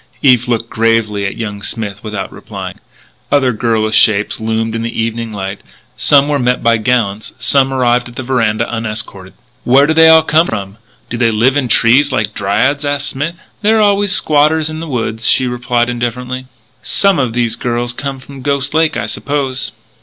Eve looked gravely at young Smith without replying. Other girlish shapes loomed in the evening light. Some were met by gallants, some arrived at the veranda unescorted. "Where do they all come from? Do they live in trees like dryads?" asked Smith. "There are always squatters in the woods," she replied indifferently. "Some of these girls come from Ghost Lake, I suppose."